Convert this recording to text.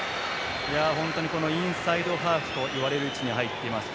インサイドハーフといわれる位置に入っています